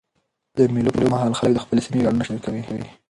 د مېلو پر مهال خلک د خپل سیمي ویاړونه شریکوي.